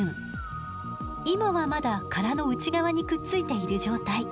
今はまだ殻の内側にくっついている状態。